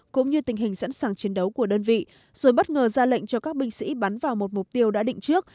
cũng như tình hình sẵn sàng chiến đấu của đơn vị rồi bất ngờ ra lệnh cho các binh sĩ bắn vào một mục tiêu đã định trước